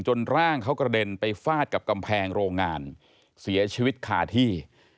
ร่างเขากระเด็นไปฟาดกับกำแพงโรงงานเสียชีวิตคาที่